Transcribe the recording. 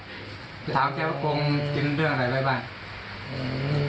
จะถามแกว่าโกลกยินเรื่องอะไรไปบ้าง